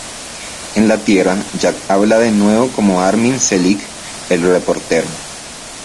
En la Tierra, Jack habla de nuevo con Armin Selig, el reportero.